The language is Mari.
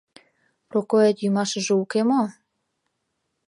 — Прокоет йӱмашыже уке мо?